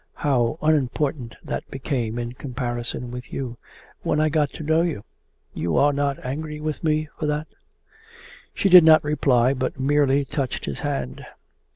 how unimportant that became in comparison with you when I got to know you. You are not angry with me for that?' She did not reply but merely touched his hand.